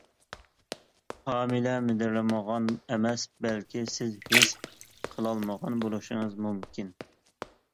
ھامىلە مىدىرلىمىغان ئەمەس بەلكى سىز ھېس قىلالمىغان بولۇشىڭىز مۇمكىن.